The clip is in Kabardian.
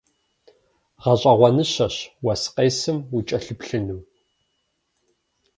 Гъэщӏэгъуэныщэщ уэс къесым укӏэлъыплъыну.